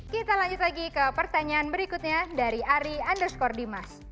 kita lanjut lagi ke pertanyaan berikutnya dari ari underscore dimas